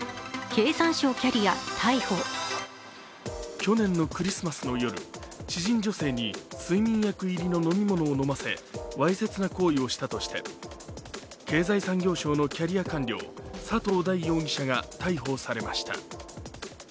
去年のクリスマスの夜、知人女性に睡眠薬入りの飲み物を飲ませ、わいせつな行為をしたとして経済産業省のキャリア官僚、佐藤大容疑者が逮捕されました。